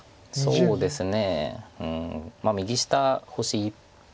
そうですね。